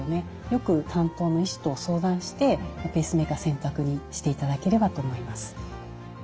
よく担当の医師と相談してペースメーカー選択していただければと思います。